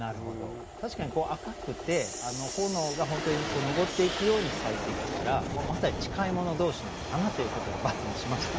確かに赤くて炎が本当に上っていくように咲いていくからまさに近いもの同士なのかなということで×にしました。